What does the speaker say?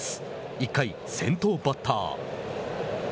１回、先頭バッター。